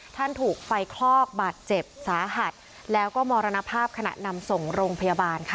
ถูกไฟคลอกบาดเจ็บสาหัสแล้วก็มรณภาพขณะนำส่งโรงพยาบาลค่ะ